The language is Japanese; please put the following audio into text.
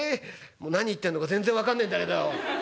もう何言ってんのか全然分かんねえんだけど。